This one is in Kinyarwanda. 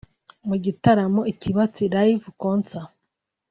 Mu gitaramo Ikibatsi Live Concert